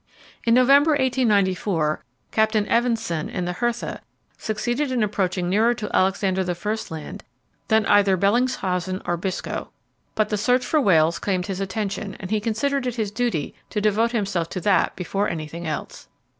In November, 1894, Captain Evensen in the Hertha succeeded in approaching nearer to Alexander I. Land than either Bellingshausen or Biscoe. But the search for whales claimed his attention, and he considered it his duty to devote himself to that before anything else.